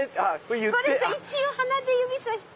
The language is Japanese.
これ一応鼻で指さして。